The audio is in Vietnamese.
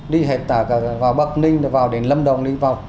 đi hết cả vào bắc ninh vào đến lâm đồng